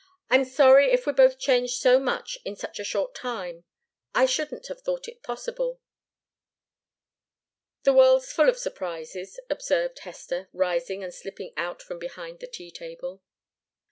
"I'm sorry if we're both changed so much in such a short time. I shouldn't have thought it possible." "The world's full of surprises," observed Hester, rising and slipping out from behind the tea table.